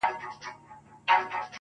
• زه چي الله څخه ښكلا په سجده كي غواړم.